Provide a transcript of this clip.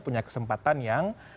punya kesempatan yang